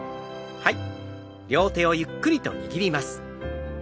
はい。